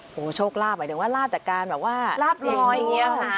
โอ้โฮโชคลาบหมายถึงว่าลาบจากการแบบว่าลาบรอย